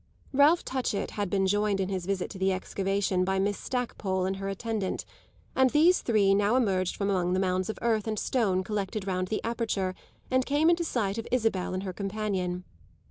Ralph Touchett had been joined in his visit to the excavation by Miss Stackpole and her attendant, and these three now emerged from among the mounds of earth and stone collected round the aperture and came into sight of Isabel and her companion.